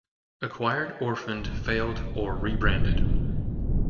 Acquired, orphaned, failed or rebranded.